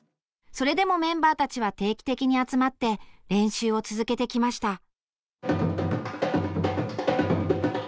それでもメンバーたちは定期的に集まって練習を続けてきました。